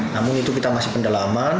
namun itu kita masih pendalaman